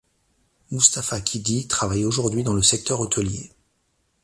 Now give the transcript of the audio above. Mustapha Kiddi travaille aujourd'hui dans le secteur hôtelier.